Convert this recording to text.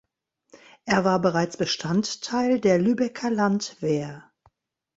Er war bereits Bestandteil der Lübecker Landwehr.